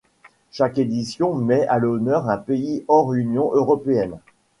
Chaque édition met à l'honneur un pays hors Union Européenne.